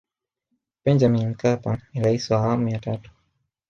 benjamin mkapa ni rais wa awamu ya tatu